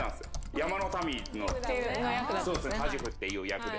山の民のタジフっていう役で。